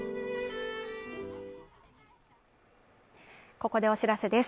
ここでお知らせです。